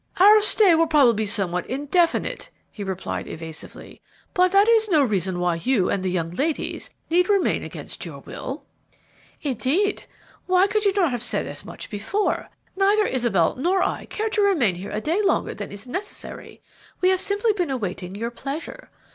"Our stay will probably be somewhat indefinite," he replied, evasively; "but that is no reason why you and the young ladies need remain against your will." "Indeed! Why could you not have said as much before? Neither Isabel nor I care to remain here a day longer than is necessary; we have simply been awaiting your pleasure.